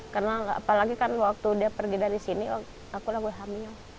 karena apalagi kan waktu dia pergi dari sini aku lagi hamil